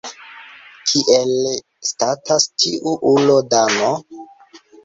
Kiel statas tiu ulo Dano?